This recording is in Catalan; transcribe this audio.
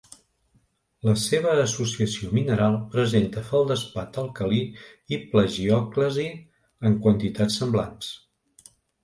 La seva associació mineral presenta feldespat alcalí i plagiòclasi en quantitats semblants.